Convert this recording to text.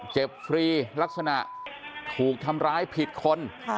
ฟรีลักษณะถูกทำร้ายผิดคน